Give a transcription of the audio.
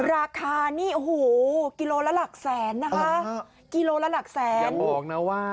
ราคานี่โอ้โหกิโลละหลักแสนนะคะกิโลละหลักแสนบอกนะว่า